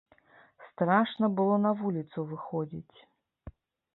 Страшна было на вуліцу выходзіць.